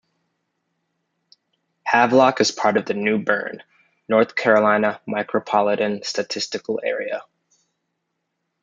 Havelock is part of the New Bern, North Carolina Micropolitan Statistical Area.